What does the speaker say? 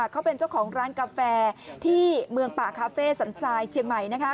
เขาเป็นเจ้าของร้านกาแฟที่เมืองป่าคาเฟ่สันทรายเชียงใหม่